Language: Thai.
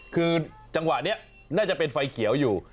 คือจังหวะนี้น่าจะเป็นไฟเขียวอยู่